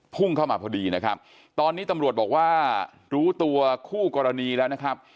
พุ่งเข้ามาพอดีนะครับตอนนี้ตำรวจบอกว่ารู้ตัวคู่กรณีแล้วนะครับ